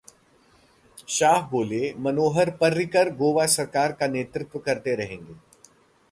शाह बोले, मनोहर पर्रिकर गोवा सरकार का नेतृत्व करते रहेंगे